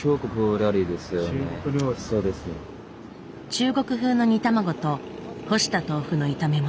中国風の煮卵と干した豆腐の炒め物。